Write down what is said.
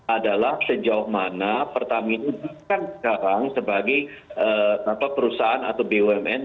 adalah sejauh mana pertamina bukan sekarang sebagai perusahaan atau bumn